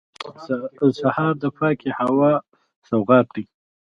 سهار د پاکې هوا سوغات دی.